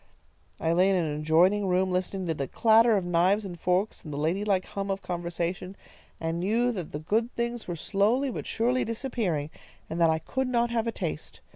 "I lay in an adjoining room, listening to the clatter of knives and forks, and the ladylike hum of conversation, and knew that the good things were slowly but surely disappearing, and that I could not have a taste.